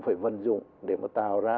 phải vận dụng để mà tạo ra